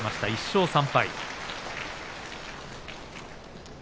１勝３敗。